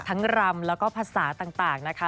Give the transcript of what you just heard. รำแล้วก็ภาษาต่างนะคะ